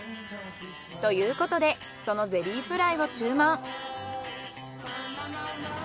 ということでそのゼリーフライを注文。